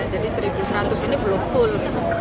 jadi satu seratus ini belum full